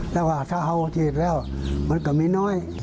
แต่ว่าถ้าเอาฉีดแล้วมันก็มีน้อย